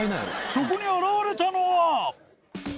そこに現れたのは